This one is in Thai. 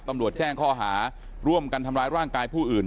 ตำรวจแจ้งข้อหาร่วมกันทำร้ายร่างกายผู้อื่น